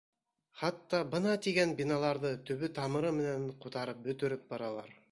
Хатта бына тигән биналарҙы төбө-тамыры менән ҡутарып бөтөрөп баралар.